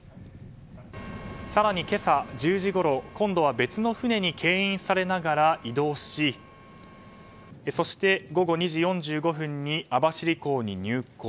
更に今朝１０時ごろ今度は別の船にけん引されながら移動し、そして午後２時４５分に網走港に入港。